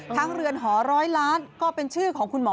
ทั้งเรือนหอ๑๐๐ล้านก็เป็นชื่อของคุณหมอ